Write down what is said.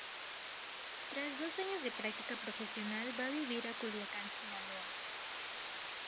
Tras dos años de práctica profesional va a vivir a Culiacán, Sinaloa.